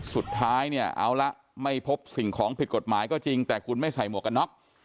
สุดท้ายเนี่ยเอาละไม่พบสิ่งของผิดกฎหมายก็จริงแต่คุณไม่ใส่หมวกกันน็อก